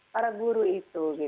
para guru itu